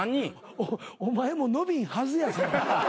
お前も伸びんはずやそれ。